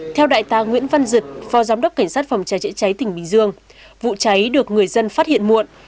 theo đại tá nguyễn văn dựt phó giám đốc cảnh sát phòng cháy chữa cháy tỉnh bình dương vụ cháy được người dân phát hiện muộn